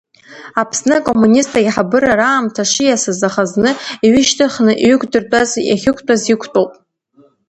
Аԥсны акоммунист еиҳабыра раамҭа шиасыз, аха зны иҩышьҭхны иҩықәдыртәаз иахьықәтәаз иқәтәоуп.